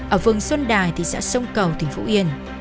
ở phường xuân đài thị xã sông cầu tỉnh phú yên